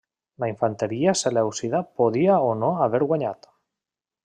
La infanteria selèucida podia o no haver guanyat.